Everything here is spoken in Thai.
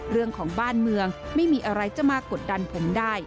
เรื่องของบ้านเมืองไม่มีอะไรจะมากดดันผมได้